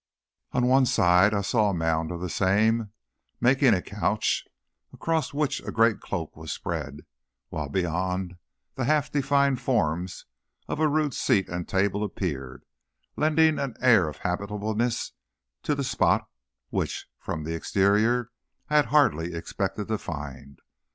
On one side I saw a mound of the same, making a couch, across which a great cloak was spread; while beyond, the half defined forms of a rude seat and table appeared, lending an air of habitableness to the spot, which, from the exterior, I had hardly expected to find.